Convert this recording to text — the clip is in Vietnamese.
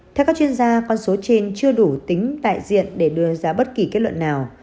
theo các chuyên gia con số trên chưa đủ tính đại diện để đưa ra bất kỳ kết luận nào